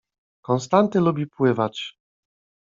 Konstanty lubi pływać.